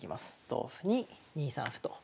同歩に２三歩と。